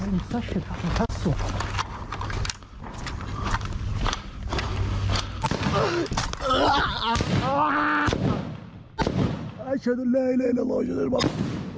ทุกคนเจอถามจากที่ที่ทำกล้องจริง